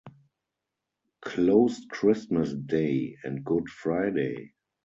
Closed Christmas Day and Good Friday.